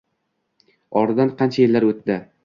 Oradan qancha yillar o`tdi